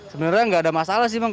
sebenarnya nggak ada masalah sih bang